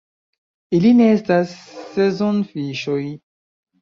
Ili ne estas sezonfiŝoj.